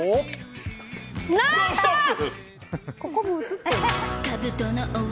「ノンストップ！」。